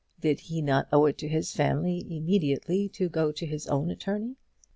Did he not owe it to his family immediately to go to his own attorney?